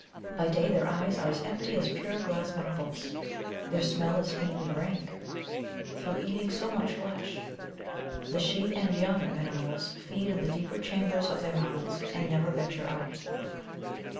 By day their eyes are as empty as pure glass marbles. Their smell is faintly rank, through eating so much flesh. The she and young Minimuls feed in the deeper chambers of their mounds, and never venture out.